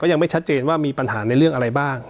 ยังไม่ชัดเจนว่ามีปัญหาในเรื่องอะไรบ้าง